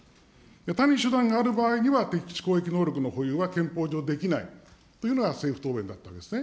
他に手段がある場合には、敵基地攻撃能力の保有は憲法上できないというのが政府答弁だったんですね。